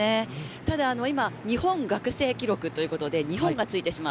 ただ日本学生記録ということで日本がついてしまう。